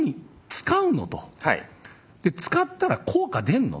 使ったら効果出んのと。